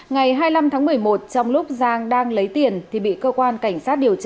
ngày hai mươi năm tháng một mươi một trong lúc giang đang lấy tiền thì bị cơ quan cảnh sát điều tra